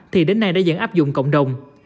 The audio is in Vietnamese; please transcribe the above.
thì đến nay đã dẫn áp dụng cộng đồng